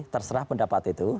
terserah pendapat itu